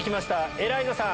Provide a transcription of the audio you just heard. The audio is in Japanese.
エライザさん。